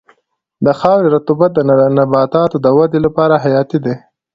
د خاورې رطوبت د نباتاتو د ودې لپاره حیاتي دی.